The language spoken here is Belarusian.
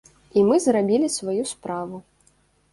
І мы зрабілі сваю справу.